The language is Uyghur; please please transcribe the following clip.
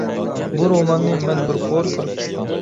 بۇ روماننى مەن بىر قۇر كۆرۈپ چىققان.